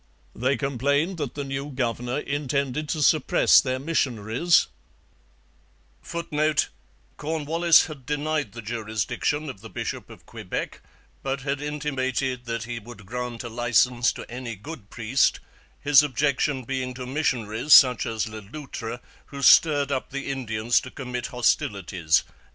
They complained that the new governor intended to suppress their missionaries, [Footnote: Cornwallis had denied the jurisdiction of the bishop of Quebec, but had intimated that he would grant a licence to any good priest, his objection being to missionaries such as Le Loutre, who stirred up the Indians to commit hostilities.